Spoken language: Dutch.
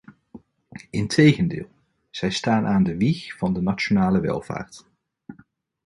Integendeel, zij staan aan de wieg van de nationale welvaart.